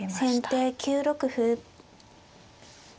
先手９六歩。